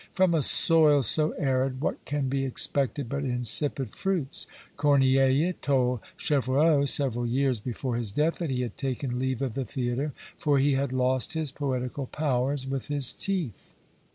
From a soil so arid what can be expected but insipid fruits? Corneille told Chevreau several years before his death, that he had taken leave of the theatre, for he had lost his poetical powers with his teeth.